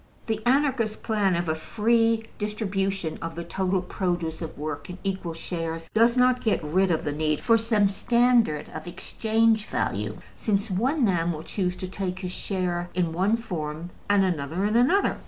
The Anarchist plan of a free distribution of the total produce of work in equal shares does not get rid of the need for some standard of exchange value, since one man will choose to take his share in one form and another in another.